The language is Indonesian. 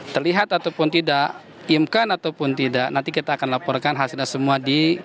terlihat ataupun tidak imkan ataupun tidak nanti kita akan laporkan hasilnya semua di